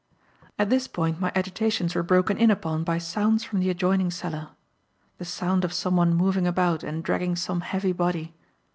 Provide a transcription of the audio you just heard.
At this point my agitations were broken in upon by sounds from the adjoining cellar; the sound of someone moving about and dragging some heavy body.